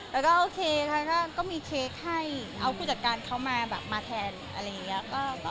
แล้วก็โอเคค่ะก็มีเค้กให้เอาผู้จัดการเขามาแบบมาแทนอะไรอย่างนี้